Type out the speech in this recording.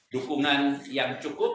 dukungan yang cukup